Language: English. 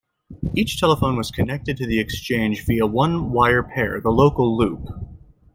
Each telephone was connected to the exchange via one wire pair, the local loop.